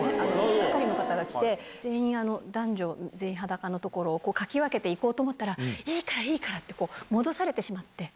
係の方が来て、全員男女、裸の所をかきわけて行こうと思ったら、いいから、いいからってこう、戻されてしまって。